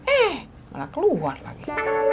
eh malah keluar lagi